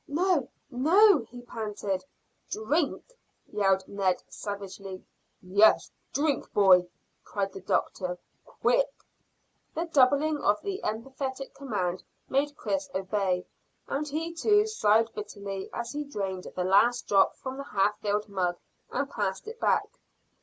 "No, no!" he panted. "Drink!" yelled Ned savagely. "Yes, drink, boy!" cried the doctor. "Quick!" The doubling of the emphatic command made Chris obey, and he too sighed bitterly as he drained the last drop from the half filled mug and passed it back.